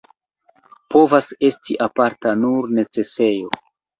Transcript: Povas esti aparta nur necesejo.